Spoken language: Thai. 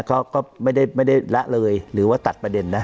ก็ไม่ได้ละเลยหรือว่าตัดประเด็นนะ